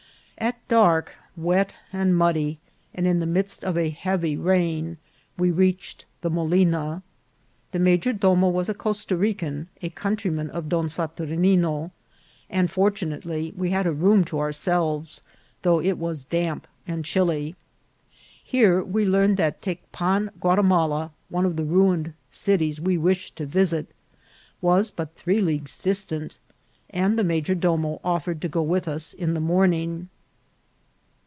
At dark, wet and muddy, and in the midst of a heavy rain, we reached the molina. The major domo was a Costa Rican, a countryman of Don Saturnino, and, fortunately, we had a room to ourselves, though it was damp and chilly. Here we learned that Tecpan Guatimala, one of the ruined cities we wished to visit, was but three leagues distant, and the major domo of fered to go with us in the morning.